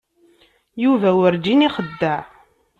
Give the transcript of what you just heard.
Yuba werǧin ixeddeɛ.